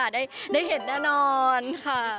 ได้เห็นแน่นอนค่ะ